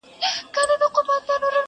سرې لا څه ته وا د وینو فوارې سوې٫